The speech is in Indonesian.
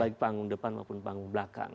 baik panggung depan maupun panggung belakang